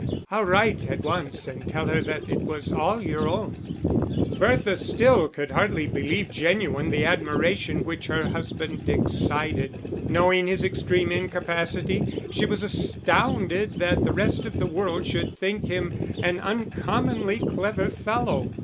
"I'll write at once and tell her that it was all your own." Bertha still could hardly believe genuine the admiration which her husband excited. Knowing his extreme incapacity, she was astounded that the rest of the world should think him an uncommonly clever fellow.